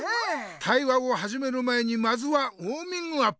対話をはじめる前にまずはウォーミングアップ。